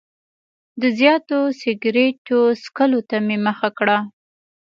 د زیاتو سګرټو څکولو ته مې مخه کړه.